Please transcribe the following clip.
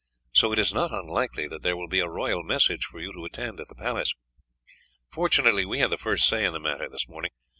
So it is not unlikely that there will be a royal message for you to attend at the palace. Fortunately we had the first say in the matter this morning.